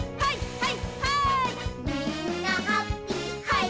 はははい！